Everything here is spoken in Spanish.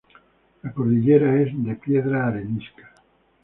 La cordillera es de piedra arenisca.